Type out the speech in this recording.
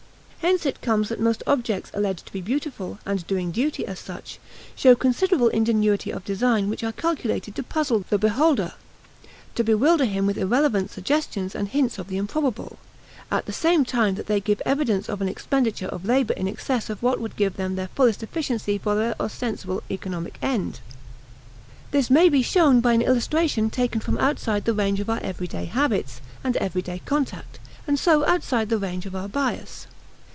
Hence it comes that most objects alleged to be beautiful, and doing duty as such, show considerable ingenuity of design and are calculated to puzzle the beholder to bewilder him with irrelevant suggestions and hints of the improbable at the same time that they give evidence of an expenditure of labor in excess of what would give them their fullest efficency for their ostensible economic end. This may be shown by an illustration taken from outside the range of our everyday habits and everyday contact, and so outside the range of our bias.